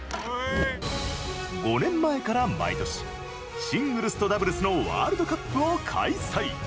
５年前から毎年、シングルスとダブルスのワールドカップを開催。